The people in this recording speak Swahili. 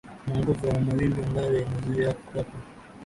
na nguvu ya mawimbi ambayo inazuia kuwekwa